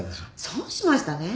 損しましたね。